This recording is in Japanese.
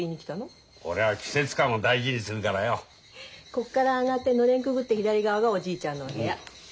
こっから上がってのれんくぐって左側がおじいちゃんの部屋。